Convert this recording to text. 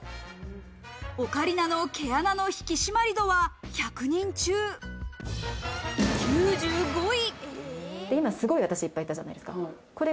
オカリナの毛穴の引き締まり度は１００人中、９５位。